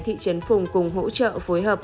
thị trấn phùng cùng hỗ trợ phối hợp